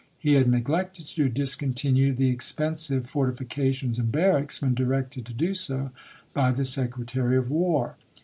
He had neglected to discontinue the expen sive fortifications and barracks when directed to do so by the Secretary of War.